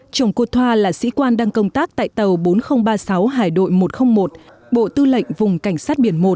chồng cô thoa là sĩ quan đang công tác tại tàu bốn nghìn ba mươi sáu hải đội một trăm linh một bộ tư lệnh vùng cảnh sát biển một